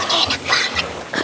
baunya enak banget